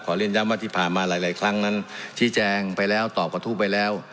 เรียนย้ำว่าที่ผ่านมาหลายครั้งนั้นชี้แจงไปแล้วตอบกระทู้ไปแล้ว